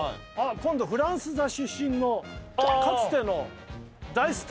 今度フランス座出身のかつての大スターたち。